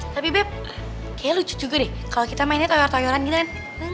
tapi bep kayaknya lucu juga deh kalau kita mainnya toyor toyoran gitu kan